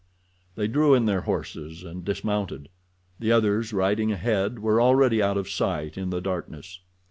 They drew in their horses and dismounted. The others riding ahead were already out of sight in the darkness.